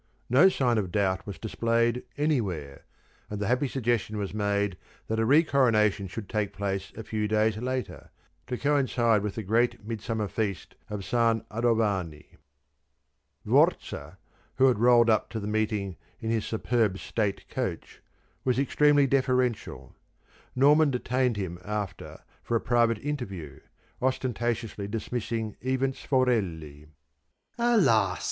No sign of doubt was displayed anywhere, and the happy suggestion was made that a re coronation should take place a few days later, to coincide with the great Midsummer feast of San Adovani. Vorza, who had rolled up to the meeting in his superb state coach, was extremely deferential. Norman detained him after for a private interview, ostentatiously dismissing even Sforelli. "Alas!"